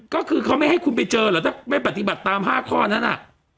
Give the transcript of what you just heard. ก็คือเขาไม่ให้คุณไปเจอเหรอถ้าไม่ปฏิบัติตาม๕ข้อนั้น